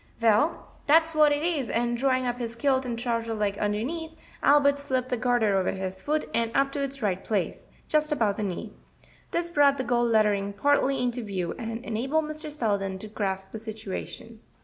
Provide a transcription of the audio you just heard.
"Well, dat's what it is and drawing up his kilt and the trouser leg underneath, Albert slipped the garter over his foot and up to its right place, just above the knee. This brought the gold lettering partly into view, and enabled Mr. Selden to grasp the situation.